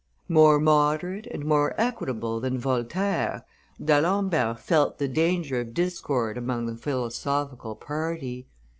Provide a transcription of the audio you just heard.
More moderate and more equitable than Voltaire, D'Alembert felt the danger of discord amongst the philosophical party.